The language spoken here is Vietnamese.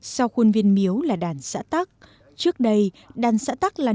sau khuôn viên miếu là đàn xã tắc